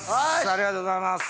ありがとうございます